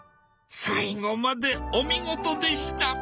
最後までお見事でした！